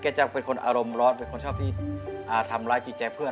จะเป็นคนอารมณ์ร้อนเป็นคนชอบที่ทำร้ายจิตใจเพื่อน